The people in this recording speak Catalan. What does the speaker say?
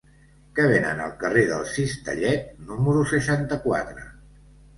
Què venen al carrer del Cistellet número seixanta-quatre?